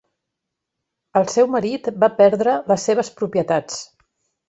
El seu marit va perdre les seves propietats.